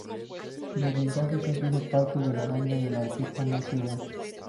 Desde entonces, ha sido parte de la banda de la artista Macy Gray.